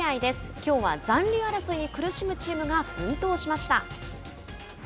きょうは残留争いに苦しむチームが奮闘しました。